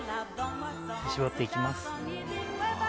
絞って行きます。